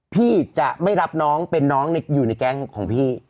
พี่จะไม่รับน้องเป็นน้องอยู่ในแก๊งของพี่